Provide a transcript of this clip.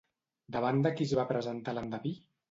Davant de qui es va presentar l'endeví?